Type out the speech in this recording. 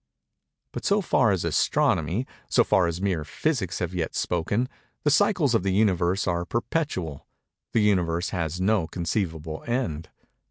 But so far as Astronomy—so far as mere Physics have yet spoken, the cycles of the Universe are perpetual—the Universe has no conceivable end.